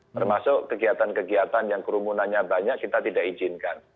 termasuk kegiatan kegiatan yang kerumunannya banyak kita tidak izinkan